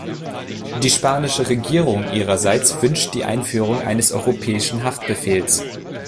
Die spanische Regierung ihrerseits wünscht die Einführung eines europäischen Haftbefehls.